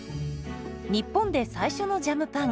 日本で最初のジャムパン。